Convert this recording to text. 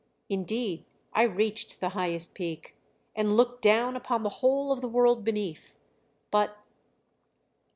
Indeed I reached the highest peak, and looked down upon the whole of the world beneath ... but